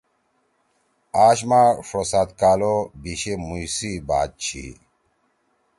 آش ما ݜو سات کال او بیشے مُوش سی بات چھی۔